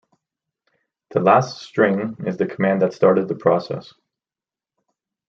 The last string is the command that started the process.